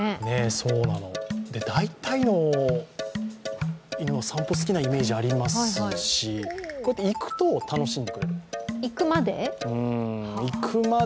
そうなの、大体の犬は散歩好きなイメージありますしこうやって行くと、楽しんでくれる行くまで？